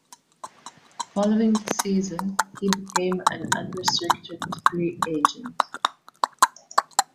Following the season, he became an unrestricted free agent.